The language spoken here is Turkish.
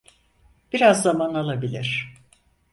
Biraz zaman alabilir.